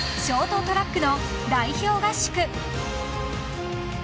［ショートトラックの代表合宿］